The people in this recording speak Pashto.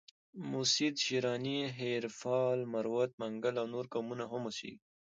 مسید، شیراني، هیریپال، مروت، منگل او نور قومونه هم اوسیږي.